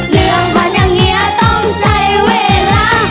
เรื่องพันธุ์อย่างเนี่ยต้องใช้เวลา